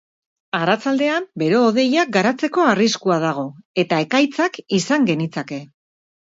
Arratsaldean bero-hodeiak garatzeko arriskua dago, eta ekaitzak izan genitzake.